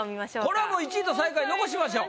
これはもう１位と最下位残しましょう。